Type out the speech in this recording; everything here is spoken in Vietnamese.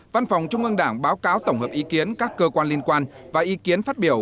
văn phòng trung ương đảng báo cáo tổng hợp ý kiến các cơ quan liên quan và ý kiến phát biểu